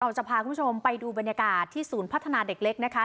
จะพาคุณผู้ชมไปดูบรรยากาศที่ศูนย์พัฒนาเด็กเล็กนะคะ